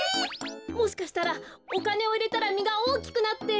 もしかしたらおかねをいれたらみがおおきくなって。